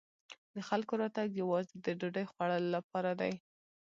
د خلکو راتګ یوازې د ډوډۍ خوړلو لپاره دی.